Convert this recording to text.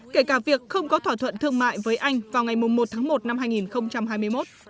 kể cả việc không có thỏa thuận thương mại với anh vào ngày một tháng một năm hai nghìn hai mươi một